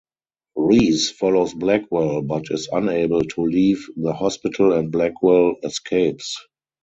Reese follows Blackwell but is unable to leave the hospital and Blackwell escapes.